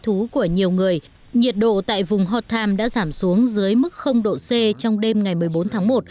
thú của nhiều người nhiệt độ tại vùng hotham đã giảm xuống dưới mức độ c trong đêm ngày một mươi bốn tháng